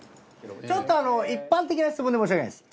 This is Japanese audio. ちょっと一般的な質問で申し訳ないです。